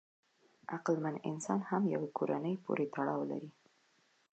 عقلمن انسان هم یوې کورنۍ پورې تړاو لري.